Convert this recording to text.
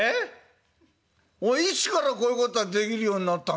いつからこういうことができるようになったのお前これ。